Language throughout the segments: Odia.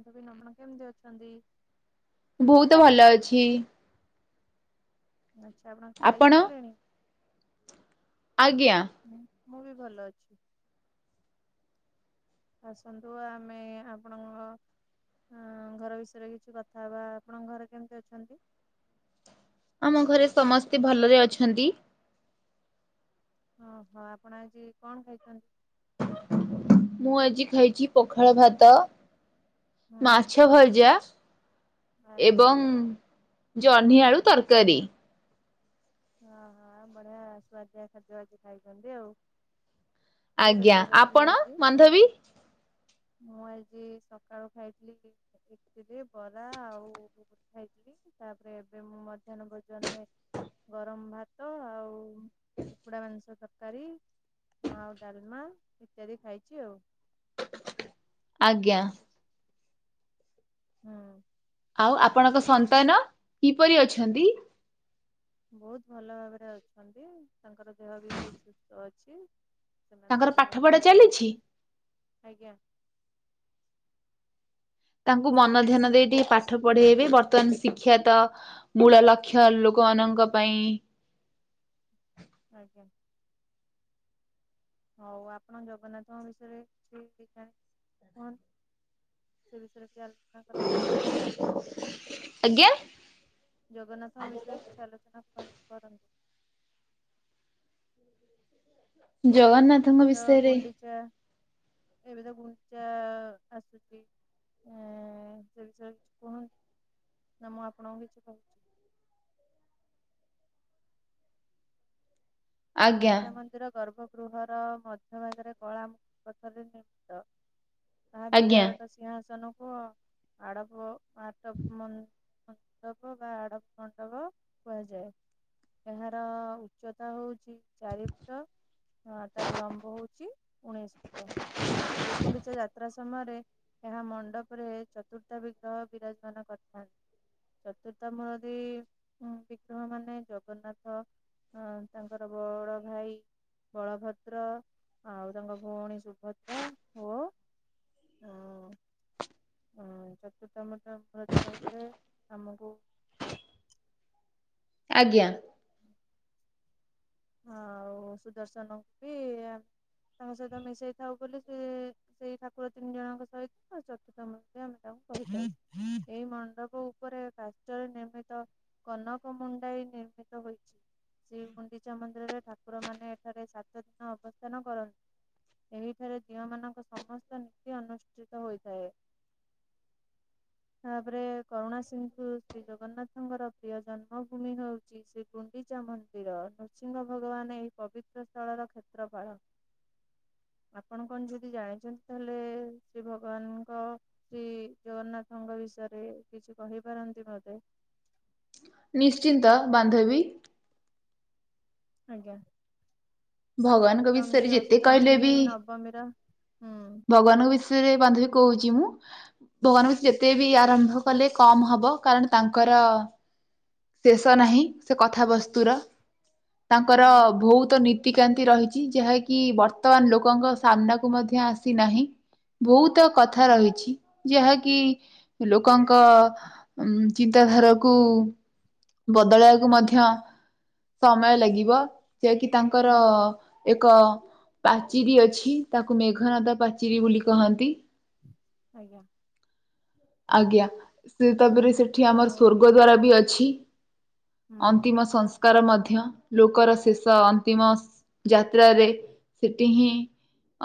ଆପଣ [unintelligible] କେମିତି ଅଛନ୍ତି? ବହୁତ ଭଲ ଅଛି। ଆଚ୍ଛା ଆପଣ ଖାଇ ସାରିଲେଣି? ଆଜ୍ଞା। ହୁଁ ମୁଁ ବି ଭଲ ଅଛି। ଆସନ୍ତୁ ଆମେ ଆପଣଙ୍କ ହ ଘର ବିଷୟରେ କିଛି କଥା ହେବା ଆପଣଙ୍କ ଘରେ କେମିତି ଅଛନ୍ତି? ଆମ ଘରେ ସମସ୍ତେ ଭଲରେ ଅଛନ୍ତି। ଓହୋ, ଆପଣ ଆଜି କଣ ଖାଇଛନ୍ତି? ମୁଁ ଆଜି ଖାଇଛି ପଖାଳ ଭାତ ହଁ ମାଛ ଭଜା ଆଜ୍ଞା। ଏବଂ ଜହ୍ନିଆଳୁ ତରକାରୀ। ହଁ, ହଁ ବଢ଼ିଆ ସୁଆଦିଆ ଖାଦ୍ୟ ଆଜି ଖାଇଛନ୍ତି ଆଉ। କିଏ ଆଜ୍ଞା, ରୋଷେଇ କରିଥିଲେ ଆପଣ ଆଜି? ବନ୍ଧବୀ? ମୁଁ ଆଜି ସକାଳୁ ଖାଇଥିଲି ଇଟିଲି ବରା ଆଉ [unintelligible] ଖାଇଥିଲି ତାପରେ ଏବେ ମୁଁ ମଧ୍ୟାହ୍ନ ଭୋଜନରେ ଗରମ ଭାତ ଆଉ କୁକୁଡା ମାଂସ ତରକା କାରୀ ଆଉ ଡ଼ାଲମା ଇତ୍ୟାଦି ଖାଇଛି ଆଉ। ଆଜ୍ଞା। ହୁଁ। ଆଉ ଆପଣଙ୍କ ସନ୍ତାନ କିପରି ଅଛନ୍ତି? ବହୁତ ଭଲ ଭାବରେ ଅଛନ୍ତି ତାଙ୍କର ଦେହ ବି ବହୁତ ସୁସ୍ଥ ଅଛି। ସେମାନେ ତାଙ୍କର ଏବେ ପାଠ ପଢା ଘରେ ଚାଲିଛି? ଅଛନ୍ତି, ଆଜ୍ଞା। ତାଙ୍କୁ ମନ ଧ୍ୟାନ ସେ ଦେଇ ପୁଅ ଟିକେ ପା ପାଠ ପ ପଢ଼େଇବେ ବର୍ତ୍ତମାନ ଶିକ୍ଷା ତ ମୂଳ ଲକ୍ଷ୍ୟ ଲୋକମାନଙ୍କ ପାଇଁ। ଆଜ୍ଞା। ହଉ ଆପଣ ଜଗନ୍ନାଥଙ୍କ ବିଷୟରେ କିଛି କୁହନ୍ତୁ? ସେ ବିଷୟରେ ବି ଆଲୋଚନା କରନ୍ତୁ ତ ଆଜ୍ଞା? ଜଗନ୍ନାଥଙ୍କ ବିଷୟରେ କିଛି ଆଲୋଚନା କ କରନ୍ତୁ। ଏବେ ଜଗନ୍ନାଥଙ୍କ ତ ବିଷୟରେ। ଗୁଣ୍ଡିଚା ଏବେ ତ ଘୁଞ୍ଚା ଆସୁଛି ଏ ସେ ବିଷୟରେ କିଛି କୁହ ନା ମୁଁ ଆପଣଙ୍କୁ କିଛି କହୁଛି। ଆଜ୍ଞା ଗୁଣ୍ଡିଚା ମନ୍ଦିର ଗର୍ଭଗୃହର ମଧ୍ୟଭାଗରେ କଳା ପଥରରେ ନିର୍ମିତ। ତାହା ଆଜ୍ଞା ବିରାଟ ସିଂହାସନକୁ ଆ ଆଡବ ଆଟ ମାନେ ମଣ୍ଡପ ବା ଆଡ଼ବ ମଣ୍ଡପ କୁହାଯାଏ। ଏହାର ଉଚ୍ଚତା ହଉଛି। ଚାରି ଫୁଟ ତାର ଲମ୍ବ ହଉଛି ଉଣେଇଶି ଫୁଟ। ଶ୍ରୀଗୁଣ୍ଡିଚା ଯାତ୍ରା ସମୟରେ ଏହା ମଣ୍ଡପରେ ଚତୁର୍ଥା ବିଗ୍ରହ ବିରାଜମାନ କରିଥାନ୍ତି। ଚତୁର୍ତା ମୂରତି ବିିଗ୍ରହ ମାନେ ଜଗନ୍ନାଥ ଅ ତାଙ୍କ ମୋର ବଡ ଭାଇ ବଳଭଦ୍ର ଆଉ ତାଙ୍କ ଭଉଣୀ ସୁଭଦ୍ରା ଓ ହଁ ହ ଚତୁର୍ଥାମ ମୁରତି କହିଲେ ଆମକୁ ଆଜ୍ଞା। ଆଉ ସୁଦର୍ଶନ ବି ତାଙ୍କ ସହିତ ମିଶେଇ ଥାଉ ବୋଲି ସେ ସେଇ ଠାକୁର ତିନି ଜଣଙ୍କ ସହିତ ଆଉ ଚତୁର୍ଥ ମୂର୍ତ୍ତୀ ଆମେ ତାଙ୍କୁ କହିଥାଉ ଏଇ ମଣ୍ଡପ ଉପରେ କାଚରେ ନିର୍ମିତ କନକ ମୁଣ୍ଡାଇ ନିର୍ମିତ ହୋଇଛି ସେ ମୁଣ୍ଡି ଚା ମନ୍ଦିରରେ ଠାକୁରମାନେ ଏଠାରେ ସାତ ଦିନ ଅବସ୍ଥାନ କରନ୍ତି। ଏହିଠାରେ ଦିଅଁମାନଙ୍କ ସମସ୍ତ ନୀତି ଅନୁଷ୍ଠିତ ହୋଇଥାଏ। [inaudible] ତାପରେ କରୁଣା ସିନ୍ଧୁ ଶ୍ରୀ ଜଗନ୍ନାଥଙ୍କର ପ୍ରିୟ ଜନ୍ମଭୂମି ହଉଛି। ଶ୍ରୀ ଶ୍ରୀ କୁଡିଚା ମନ୍ଦିର ନୃସିଂହ ଭଗବାନ ଏହି ପବିତ୍ର ସ୍ଥଳର କ୍ଷେତ୍ରଫାଳ ଆପଣ କଣ ଯଦି ଜାଣିଛନ୍ତି ତାହେଲେ ଶ୍ରୀ ଭଗବାନଙ୍କ ଶ୍ରୀ ଜଗନ୍ନାଥଙ୍କ ବିଷୟରେ କିଛି କହିପାରନ୍ତି ମତେ ନିଶ୍ଚିନ୍ତ ବାନ୍ଧବୀ ଆଜ୍ଞା। ଭଗବାନଙ୍କ ବିଷୟରେ ଯେତେ କହିଲେ ବି ବା ମେରା ହୁଁ ଭଗବାନଙ୍କ ବିଷୟରେ ବାନ୍ଧବୀ କହୁଚି ମୁଁ। ଭଗବାନ କୁ ଯେତେ ବି ଆରମ୍ଭ କଲେ କମ ହବ କାରଣ ତାଙ୍କର ଶେଷ ନାହିଁ, ସେ କଥାବସ୍ତୁର ତାଙ୍କର ଆଜ୍ଞା ଭଉତ ନି ତିକାନ୍ତି ରହିଚି। ଯାହାକି ବର୍ତ୍ତମାନ ଲୋକଙ୍କ ସାମ୍ନାକୁ ମଧ୍ୟ ଆସି ନାହିଁ। ବହୁତ କଥା ଆଜ୍ଞା ରହିଛି। ଯାହାକି ଲୋକଙ୍କ ଉଁ, ଚିନ୍ତାଧାରାକୁ ବଦଳିଆକୁ ମଧ୍ୟ ସମୟ ଲାଗିବ। ଯେ କିି ତାଙ୍କର ହୁଁ ଏକ ପାଚିରି ଅଛି, ତାକୁ ମେଘନାଦ ପାଚିରି ବୋଲି କହନ୍ତି। ଆଜ୍ଞା। ଆଜ୍ଞା, ସେ ତାପରେ ସେଠି ଆମର ଆଉ ସ୍ଵର୍ଗଦ୍ଵାର ବି ଅଛି। ହୁଁ ଅନ୍ତିମ ସଂସ୍କାର ମଧ୍ୟ ଲୋକର ଶେଷ ଅନ୍ତିମ ଯାତ୍ରାରେ ସେଠ ହିଁ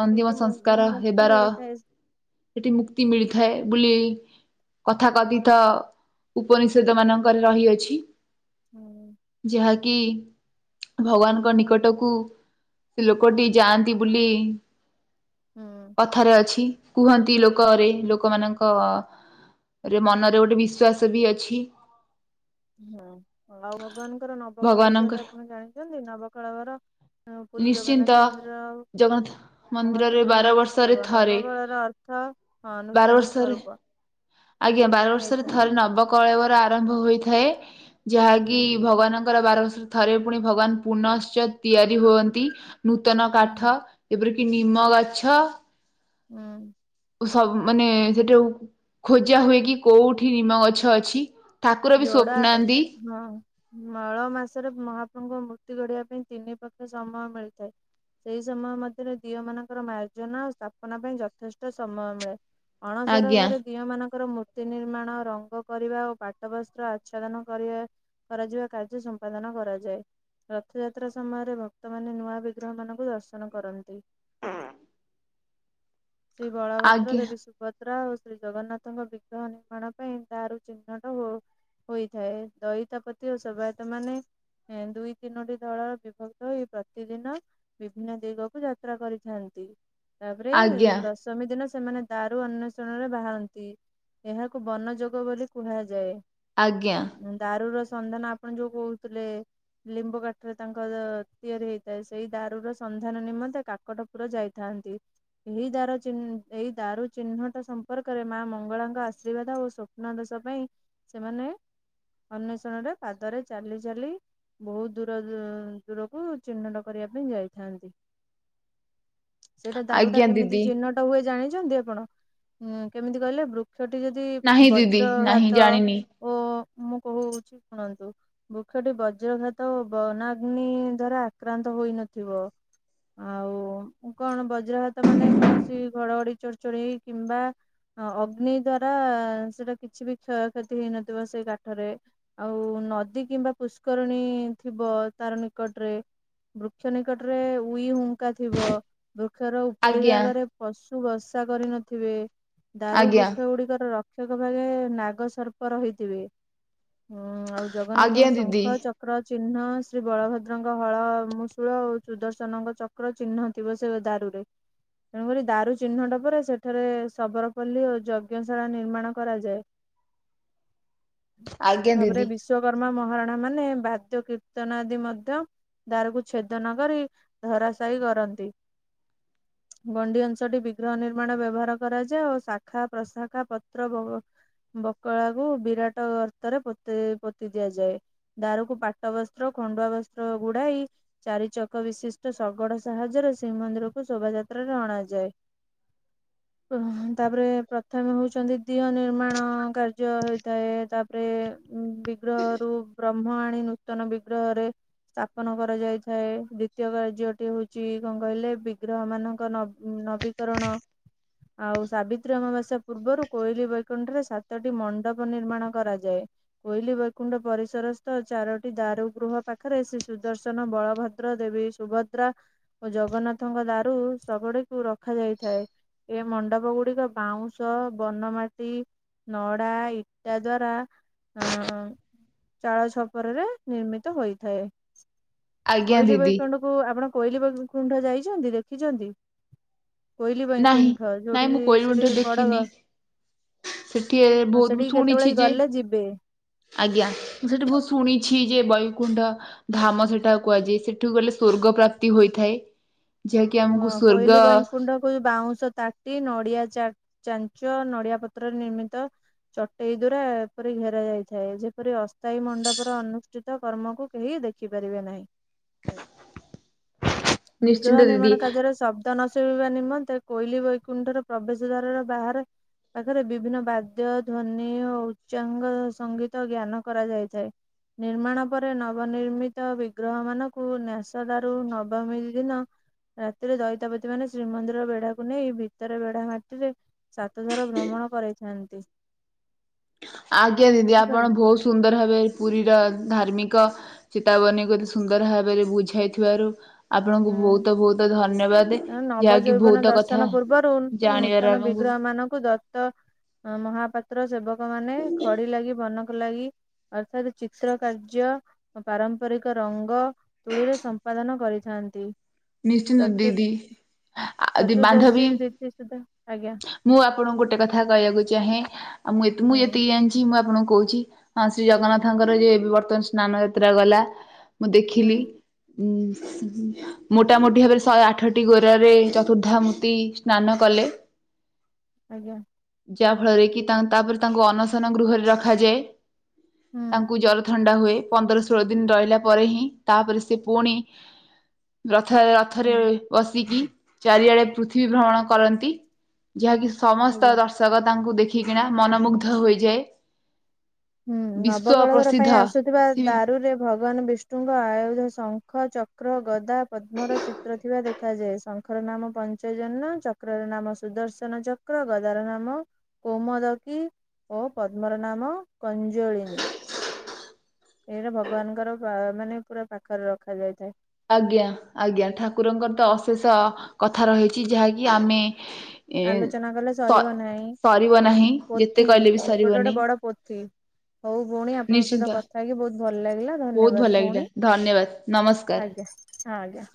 ଅନ୍ତିମ କେତେ ମୁ ସଂସ୍କାର ମୁକ୍ତି ହେବାର ମିଳିଥାଏ ସେଠି ମୁକ୍ତି ଏ ଯେ ମିଳିଥାଏ ବୁଲି କଥା କଥିତ ଉପନିଷେଦ ମାନଙ୍କରେ ରହିଅଛି। ହୁଁ ଯାହାକି ଭଗବାନଙ୍କ ନିକଟକୁ ସେ ଲୋକଟି ଯାଆନ୍ତି ବୁଲି ହଁ। କଥାରେ ଅଛି। କୁହନ୍ତି ଲୋକରେ ଲୋକମାନଙ୍କ ରେ ମନରେ ଗୋଟେ ବିଶ୍ଵାସ ବି ଅଛି। ହଁ ଆଉ ଭଗବାନଙ୍କର ନବକଳ ବିସୟରେ ଭଗବାନଙ୍କର ଆପଣ ଜାଣିଚନ୍ତି? ନବକଳବର ଅ, ପୁରୀ ନିଶ୍ଚିନ୍ତ ଜଗନ୍ନାଥ ମନ୍ଦିର ଆଉ ଜଗନ୍ନାଥ ମନ୍ଦିରରେ ବାର ମହତ୍ବପୂର୍ଣ୍ଣ ବର୍ଷରେ ଉତ୍ସବ। ଥରେ ନବକଳେର ଅ ର୍ଥ ହଁ ବାର ନୂତନ ବର୍ଷରେ ସ୍ଵରୂପ। ଆଜ୍ଞା ବାର ବର୍ଷରେ ଥରେ ନବକଳେବର ଆରମ୍ଭ ହୋଇଥାଏ। ଯାହାକି ହୁଁ ଭଗବାନଙ୍କର ବାର ବର୍ଷର ଥରେ ପୁଣି ଭଗବାନ ପୁନଶ୍ଚ ତିଆରି ହୁଅନ୍ତି। ନୂତନ ହୁଁ କାଠ ଯେପରିକି ନିମ ଗଛ ହୁଁ। ସବୁ ମାନେ ସେଠାଉ କୁ ଖୋଜା ହୁଏ କି କୋଉଠି ନିମ ଗଛ ଅଛି। ଠାକୁର ବି ଯୋଡା ସ୍ୱପ୍ନାନ୍ତି। ହଁ। ମଳ ମାସରେ ମହାପ୍ରଭୁଙ୍କ ମୂର୍ତି ଗଢିବା ପାଇଁ ତିନି ପକ୍ଷ ସମୟ ମିଳିଥାଏ। ସେଇ ସମୟ ମଧ୍ୟରେ ଦିଅ ମାନଙ୍କର ମାର୍ଜନା ଆଉ ସ୍ଥାପନା ପାଇଁ ଯଥେଷ୍ଟ ସମୟ ମିଳେ। ଅଣସର ଆଜ୍ଞା ଘରେ ଦିଅଁମାନଙ୍କର ମୂର୍ତ୍ତି ନିର୍ମାଣ ରଙ୍ଗ କରିବା ଓ ପା ଟ ବସ୍ତ୍ର ଆଚ୍ଛାଦନ କରିବା କରାଯିବା କାର୍ଯ୍ୟ ସମ୍ପାଦନ କରାଯାଏ। ରଥଯାତ୍ରା ସମୟରେ ଭକ୍ତମାନେ ନୂଆ ବିଗ୍ରହ ମାନଙ୍କୁ ଦର୍ଶନ କରନ୍ତି। ଶ୍ରୀ ବଳଭଦ୍ର ଆଜ୍ଞା ଦେବୀ ସୁ ଭଦ୍ରା ଓ ଶ୍ରୀ ଜଗନ୍ନାଥଙ୍କ ବିଗ୍ରହ ନିର୍ମାଣ ପାଇଁ ଦାରୁ ଚିହ୍ନଟ ହୋ ହୋଇଥାଏ। ଦଇତାପତି ଓ ସେବାୟତ ମାନେ ଏଁ, ଦୁଇ ତିନୋଟି ଦଳର ବିଭକ୍ତ ହୋଇ ପ୍ରତିଦିନ ବିଭିନ୍ନ ଦିଗକୁ ଯାତ୍ରା କରିଥାନ୍ତି। ତାପରେ ଆଜ୍ଞା ଦଶମୀ ଦିନ ସେମାନେ ଦାରୁ ଅନ୍ଵେଷଣରେ ବାହାରନ୍ତି। ଏହାକୁ ବନଯୋଗ ବୋଲି କୁହାଯାଏ। ଆଜ୍ଞା। ଦାରୁ ର ସନ୍ଧାନ ଆପଣ ଯୋଉ କହୁତୁଲେ ଲିମ୍ବ କାଠରେ ତାଙ୍କର ତିଆରି ହେଇଥାଏ। ସେଇ ଦାରୁୁର ସନ୍ଧାନ ନିମନ୍ତେ କାକଟ ପୁର ଯାଇଥାନ୍ତି। ଏହି ଦାର ଚିନ୍ ଏଇ ଦାରୁ ଚିହ୍ନଟ ସମ୍ପର୍କରେ ମା ମଙ୍ଗଳାଙ୍କ ଆଶୀର୍ବାଦ ଓ ସ୍ୱପ୍ନାଦେଷ ପାଇଁ ସେମାନେ ଅନ୍ୱେଷଣରେ ପାଦରେ ଚାଲି ଚାଲି ବହୁ ଦୂର ଅଁ, ଦୂରକୁ ଚିହ୍ନଟ କରିବା ପାଇଁ ଯାଇଥାନ୍ତି। ସେଇଟା ଦାରୁ ଟା ଆଜ୍ଞା କେମିତି ଦିଦି ଚିହ୍ନଟ ହୁଏ ଜାଣିଛନ୍ତି ଆପଣ? ଉଁ କେମିତି କହିଲେ ବୃ କ୍ଷ ଟି ଯଦି ନାହିଁ ଦିଦି ବଜ୍ର ନାହିଁ ଘାତ ଜାଣିନି ଓ ମୁଁ କହୁଛି ଶୁଣନ୍ତୁ। ବୃକ୍ଷଟି ବଜ୍ରଘାତ ଓ ବନାଗ୍ନି ଦାରା ଆକ୍ରାନ୍ତ ହୋଇନଥିବ। ଆଉ କଣ ବଜ୍ରଘାତ ମାନେ କୌଣସି ଘଡଘଡି ଚଢଚଢି କିମ୍ବା ହଁ ଅଗ୍ନି ଦ୍ଵାରା ସେଟା କିଛି ବି କ୍ଷୟ କ୍ଷତି ହେଇନଥିବ ସେ କାଠରେ। ଆଉ ନଦୀ କିମ୍ବା ପୁଷ୍କରିଣୀ ଥିବ ତାର ନିକଟରେ। ବୃକ୍ଷ ନିକଟରେ ଉଇ ହୁଙ୍କା ଥିବ। ବୃକ୍ଷର ଉପରି ଆଜ୍ଞା ଭାଗରେ ପଶୁ ବର୍ଷା କରିନଥିବେ ଦାରୁ ଆଜ୍ଞା ବୃକ୍ଷ ଗୁଡିକର ର [unintelligible] ଭାଗେ ନାଗ ସର୍ପ ରହିଥିବେ। ଉଁ ଆଉ ଜଗନ୍ନାଥଙ୍କ ଆଜ୍ଞା ଦିଦି ଶଙ୍ଖ ଚ ଚକ୍ର ଚିହ୍ନ ଶ୍ରୀ ବଳଭଦ୍ରଙ୍କ ହଳ ମୁଶୂଳ ଓ ସୁଦର୍ଶନଙ୍କ ଚକ୍ର ଚିହ୍ନ ଥିବ ସେ ଦାରୁରେ। ତେଣୁକରି ଦାରୁ ଚିହ୍ନଟ ପରେ ସେଠାରେ ଶବରପଲୀ ଓ ଯଜ୍ଞଶାଳା ନିର୍ମାଣ କରାଯାଏ। ଆଜ୍ଞା ତାପରେ ଦିଦି ବିଶ୍ଵକର୍ମା ମହାରଣା ମାନେ ବାଦ୍ୟ କୀର୍ତ୍ତନ ଆଦି ମଧ୍ୟ ଦାରକୁ ଛେଦ ନ କରି ଧରାଶହି କରନ୍ତି। ଗଣ୍ଡି ଅଂଶଟି ବିଗ୍ରହ ନିର୍ମାଣ ବ୍ୟବହାର କରାଯାଏ ଓ ଶାଖା ପ୍ରଶାଖା ପତ୍ର ବକଳା କୁ ବିରାଟ ଗର୍ତରେ ପୋତି-ପୋତି ଦିଆଯାଏ। ଦାରକୁ ପାଟ ବସ୍ତ୍ର ଖଣ୍ଡୁଆ ବସ୍ତ୍ର ଗୁଡାଇ ଚାରି ଚକ ବିଶିଷ୍ଟ ଶଗଡ଼ ସାହାଯ୍ୟରେ ଶ୍ରୀମନ୍ଦିରକୁ ଶୋଭାଯାତ୍ରାରେ ଅଣାଯାଏ। ଓଃ ତାପରେ ପ୍ରଥମେ ହଉଛନ୍ତି ଦିଅ ନିର୍ମାଣ କାର୍ଯ୍ୟ ହେଇଥାଏ ତା ପରେ ବିଗ୍ରହରୁ ବ୍ରହ୍ମ ଆଣି ନୂତନ ବିଗ୍ରହରେ ସ୍ଥାପନ କରାଯାଇଥାଏ ଦ୍ଵିତୀୟ କାର୍ଯ୍ୟଟି ହଉଛି କଣ କହିଲେ ବିଗ୍ରହ ମାନ ଙ୍କ ନବ-ନବୀକରଣ। ଆଉ ସାବିତ୍ରୀ ଅମାବାସ୍ୟା ପୂର୍ବରୁ କୋଇଲି ବୈକୁଣ୍ଠରେ ସାତଟି ମଣ୍ଡପ ନିର୍ମାଣ କରାଯାଏ। କୋଇଲି ବୈକୁଣ୍ଠ ପରିସରସ୍ଥ ଚାରୋଟି ଦାରୁଗୃହ ପାଖରେ ଶ୍ରୀ ସୁଦର୍ଶନ ବଳଭଦ୍ର ଦେବୀ ସୁଭଦ୍ରା ଓ ଜଗନ୍ନାଥଙ୍କ ଦାରୁ ସବୁଗୁଡ଼ିକୁ ରଖାଯାଇଥାଏ ଏ ମଣ୍ଡପ ଗୁଡିକ ବାଉଁଶ ବନମାଟି ନଡା ଇଟା ଦ୍ୱାରା ଉଁ ଚାଳ ଛପରରେ ନିର୍ମିତ ହୋଇଥାଏ। ଆଜ୍ଞା କୋଇଲି ଦିଦି ବୈକୁଣ୍ଠ କୁ ଆପଣ କୋଇଲି ବୈକୁଣ୍ଠ ଯାଇଛନ୍ତି ଦେଖିଛନ୍ତି? କୋଇଲି ନାହିଁ ବୈକୁଣ୍ଠ ନାଇଁ ମୁଁ ଯୋଉଠିିକି କୋଇଲବଣ୍ଠ ସେଠି ବଡଗ ଦେଖିନି ସେଠି ହଁ ବହୁତ ମୁଁ ସେଠି କେତେବେଳେ ଶୁଣିଛି ଯେ ଗଲେ ଯିବେ। ଆଜ୍ଞା, ମୁଁ ସେଇଠି ବହୁତ ଶୁଣିଛି ଯେ ବୈକୁଣ୍ଠ ଧାମ ସେଟାକୁ କୁହାଯାଏ ସେଠୁ ଗଲେ ସ୍ଵର୍ଗ ପ୍ରାପ୍ତି ହୋଇଥାଏ। ଯାହାକି ଆମକୁ ହଁ ସ୍ଵର୍ଗ କହିଲି ବୈକୁଣ୍ଠ କୁ ବାଉଁଶ ତା ଟି ନଡିଆ ଚା-ଚାଞ୍ଚ ନଡିଆ ପତ୍ରରେ ନିର୍ମିତ ଚଟେଇ ଦ୍ୱାରା ଏପରି ଘେରା ଯାଇଥାଏ ଯେପରି ଅସ୍ଥାୟୀ ମଣ୍ଡପର ଅନୁଷ୍ଠିତ କର୍ମକୁ କେହି ଦେ ଖି ପାରିବେ ନାହିଁ। ନିଶ୍ଚିନ୍ତ ବିଗ୍ରହ ଦିଦି ନିର୍ମାଣ କାର୍ଯ୍ୟରେ ଶବ୍ଦ ନ ଶୁବିବା ନିମନ୍ତେ କୋଇଲି ବୈକୁଣ୍ଠର ପ୍ରବେଶ ଦ୍ଵାରର ବାହାରେ ପାଖରେ ବିଭିନ୍ନ ବାଦ୍ୟ ଧ୍ୱନି ଓ ଉଚ୍ଚାଙ୍ଗ ସଙ୍ଗୀତ ଜ୍ଞାନ କରାଯାଇଥାଏ। ନିର୍ମାଣ ପରେ ନବନିର୍ମିତ ବିଗ୍ରହ ମାନଙ୍କୁ ନେସଦାରୁ ନବମୀ ଦିନ ରାତିରେ ଦଇତାପତି ମାନେ ଶ୍ରୀମନ୍ଦିର ବେଢାକୁ ନେଇ ଭିତର ବେଢା ମାଟିରେ ସାତଥର ଭ୍ରମଣ କରାଇଥାନ୍ତି। ଆଜ୍ଞା ଦିଦି ଆପଣ ବୁଝିପାରିଲୁ ବହୁତ ସୁନ୍ଦର ଭାବେ ପୁରୀର ଧାର୍ମିକ ଚେତାବନୀ କୁ ଏତେ ସୁନ୍ଦର ଭାବ। ରେ ବୁଝାଇଥିବାରୁ ଆପଣଙ୍କୁ ବହୁତ ବହୁତ ଧନ୍ୟବାଦ। ତେଣୁ ଯାହାକି ନବଜୈବନ ବହୁତ କଥା ଦର୍ଶନ ପୂର୍ବରୁ ଜାଣିବାର ନୂତନ ଆମକୁ ବିଗ୍ରହ ମାନଙ୍କୁ ଦତ ଅ ମହାପାତ୍ର ସେବକ ମାନେ ଖଡି ଲାଗି ବନ ଲାଗି ଅର୍ଥାତ ଚିତ୍ର କାର୍ଯ୍ୟ ପାରମ୍ପରିକ ରଙ୍ଗ ତୁଳିରେ ସମ୍ପାଦନ କରିଥାନ୍ତି। ନିଶ୍ଚିନ୍ତ ଚତୁ ଦିଦି। ଦି ବାନ୍ଧବୀ ଚତୁର୍ଦ୍ଦଶୀ ତିଥି ସୁଦ୍ଧା ଆଜ୍ଞା। ମୁଁ ଆପଣଙ୍କୁ ଗୋଟେ କଥା କହିବାକୁ ଚାହେଁ ଆଉ ମୁଁ ମୁଁ ହୁଁ ଯେତିକି ଜାଣିଛି ମୁଁ ଆପଣଙ୍କୁ କହୁଛି। ହଁ ଶ୍ରୀ ଜଗନ୍ନାଥଙ୍କର ଯ ଏ ବର୍ତ୍ତମାନ ସ୍ନାନ ଯାତ୍ରା ଗଲା ମୁଁ ହୁଁ ଦେଖିଲି। [unintelligible] ମୋଟାମୋଟି ଭାବରେ ଶହେ ଆଠଟି ଗୋରାରେ ଚତୁର୍ଦ୍ଧାମୂର୍ତ୍ତି ସ୍ନାନ କଲେ। ଆଜ୍ଞା। ଯାହା ଫଳରେ କି ତା ତାପରେ ତାଙ୍କୁ ଅନସନ ଗୃହରେ ରଖାଯାଏ, ହୁଁ ତାଙ୍କୁ ଜଲ ଥଣ୍ଡା ହୁଏ ପନ୍ଦର ଷୋହଳ ଦିନ ରହିଲା ପରେ ହିଁ ତାପରେ ସେ ପୁଣି ରଥ ହୁଁ ରଥରେ ବସିକି ଚାରିଆଡେ ପୃଥିବୀ ଭ୍ରମଣ କରନ୍ତି। ଯାହାକି ସମସ୍ତ ଆଜ୍ଞା ଦର୍ଶକ ତାଙ୍କୁ ଦେଖିକିନା ମନମୁଗ୍ଧ ହୋଇଯାଏ। ହୁଁ ବିଶ୍ଵ ନବକଳବର ପ୍ରସିଦ୍ଧ ପାଇଁ ଆସୁଥିବା ପୃଥିବୀ ଦାରୁରେ ଭଗବାନ ବିଷ୍ଣୁଙ୍କ ଆୟୁଧ ଶଙ୍ଖ ଚ ଚକ୍ର ଗଦା ପଦ୍ମର ଚିତ୍ର ଥିବା ଦେଖ ଦେଖାଯାଏ ଶଙ୍ଖର ନାମ ପଞ୍ଚଜନ ଚକ୍ର ର ନାମ ସୁଦର୍ଶନ ଚକ୍ର ଗଦାର ନାମ କୋମୋଦକୀ ଓ ପଦ୍ମର ନାମ କଞ୍ଜଳିନୀ। ଏଇଟା ଭଗବାନଙ୍କର ମାନେ ପୁରା ପାଖରେ ରଖାଯାଇଥାଏ। ଆଜ୍ଞା ଆଜ୍ଞା ଠାକୁରଙ୍କର ତ ଅଶେଷ କଥା ରହିଛି ଯାହାକି ଆମେ ଏ ଆଲୋଚନା କଲେ ସ ସରିବ ନାହିଁ ସରିବ ନାହିଁ ଯେତେ ପୋଥି କହିଲେ ବି ଗୋଟେ ଗୋଟେ ସରିବନି ବଡ ପୋଥି ହଉ ଭଉଣୀ ଆପଣଙ୍କ ସହିତ ନିଶ୍ଚିନ୍ତ କଥା ହେଇକି ବହୁତ ଭଲ ଲାଗିଲା ବହୁତ ଭଲ ଧନ୍ୟବାଦ ଲାଗିଲା ଭଉଣୀ ଧନ୍ୟବାଦ ନମସ୍କାର। ଆଜ୍ଞା। ଆଜ୍ଞା।